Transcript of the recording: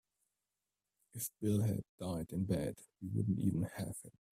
If Bill had died in bed we wouldn't even have him.